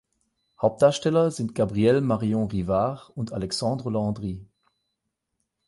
Hauptdarsteller sind Gabrielle Marion-Rivard und Alexandre Landry.